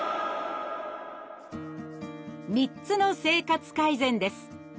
３つの生活改善です。